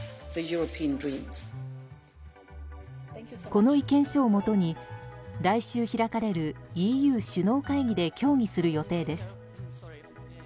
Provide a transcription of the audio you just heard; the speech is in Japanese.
この意見書をもとに来週開かれるＥＵ首脳会議で協議する予定です。